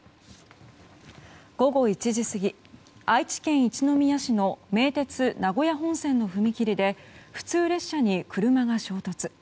午後１時過ぎ、愛知県一宮市の名鉄名古屋本線の踏切で普通列車に車が衝突。